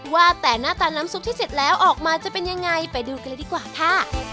ว่าแต่หน้าตาน้ำซุปที่เสร็จแล้วออกมาจะเป็นยังไงไปดูกันเลยดีกว่าค่ะ